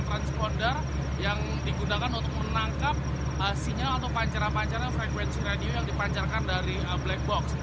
transponder yang digunakan untuk menangkap sinyal atau pancaran pancaran frekuensi radio yang dipancarkan dari black box